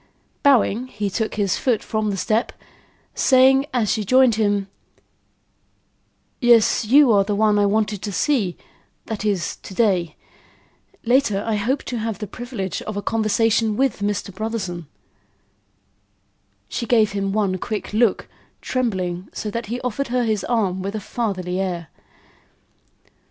Bowing, he took his foot from the step, saying, as she joined him: "Yes, you are the one I wanted to see; that is, to day. Later, I hope to have the privilege of a conversation with Mr. Brotherson." She gave him one quick look, trembling so that he offered her his arm with a fatherly air.